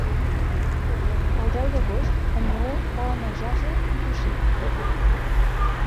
El deu d'agost en Lleó vol anar a Josa i Tuixén.